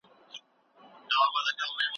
قیامالدین خادم شاعر او لیکوال چې د پښتو معاصر